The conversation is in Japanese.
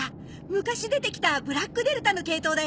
昔出てきたブラックデルタの系統だよね。